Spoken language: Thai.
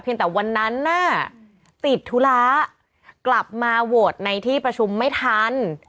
แต่วันนั้นน่ะติดธุระกลับมาโหวตในที่ประชุมไม่ทัน